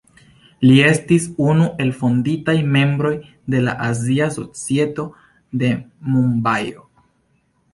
Li estis unu el fondintaj membroj de la Azia Societo de Mumbajo.